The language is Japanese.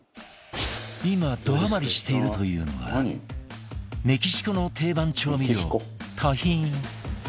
今どハマりしているというのはメキシコの定番調味料タヒン